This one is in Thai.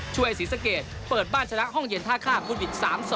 ศรีสะเกดเปิดบ้านชนะห้องเย็นท่าข้ามคุณบิด๓๒